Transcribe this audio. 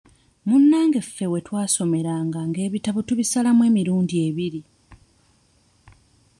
Munnange ffe we twasomeranga ng'ebitabo tubisalamu emirundi ebiri.